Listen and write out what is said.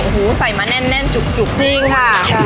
อ่อโหใส่มาแน่นแน่นจุบจุบจริงค่ะ